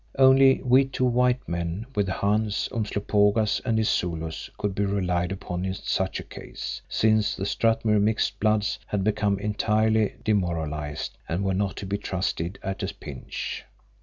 Only we two white men, with Hans, Umslopogaas and his Zulus, could be relied upon in such a case, since the Strathmuir mixed bloods had become entirely demoralised and were not to be trusted at a pinch.